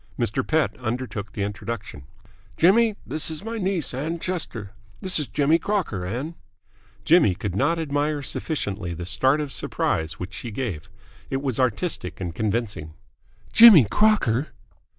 Mr. Pett undertook the introduction. "Jimmy, this is my niece, Ann Chester. This is Jimmy Crocker, Ann." Jimmy could not admire sufficiently the start of surprise which she gave. It was artistic and convincing. "Jimmy Crocker!"